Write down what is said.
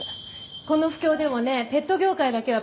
この不況でもねペット業界だけはプラス成長なの。